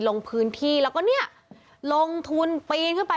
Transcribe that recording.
ลงพื้นที่แล้วก็เนี่ยลงทุนปีนขึ้นไป